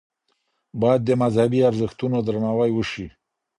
باید د مذهبي ارزښتونو درناوی وشي.